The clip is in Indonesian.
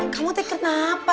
kamu tek kenapa